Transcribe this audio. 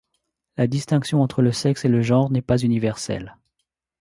La distinction entre le sexe et le genre n'est pas universelle.